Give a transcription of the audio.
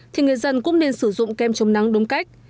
thì người dân cũng nên sử dụng kem chống nắng đúng cách